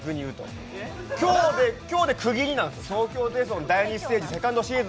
今日で区切りなんですよ東京ホテイソン第２シリーズセカンドステージ